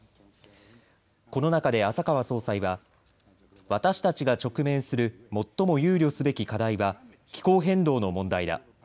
この中で浅川総裁は私たちが直面する最も憂慮すべき課題は気候変動の問題だ。